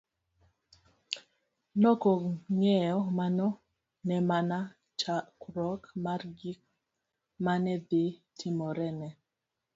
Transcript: Nokong'eyo mano ne mana chakruok mar gik mane dhi timore ne.